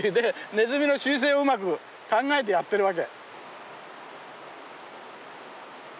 ネズミの習性をうまく考えてやってるわけ。